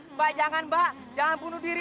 mbak jangan mbak jangan bunuh diri